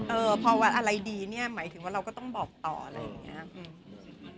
เออพอวัดอะไรดีเนี่ยหมายถึงว่าเราก็ต้องบอกต่ออะไรอย่างนี้